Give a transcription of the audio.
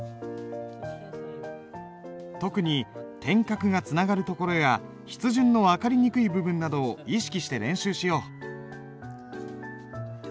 特に点画がつながるところや筆順の分かりにくい部分など意識して練習しよう。